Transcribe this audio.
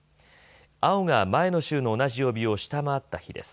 青が前の週の同じ曜日を下回った日です。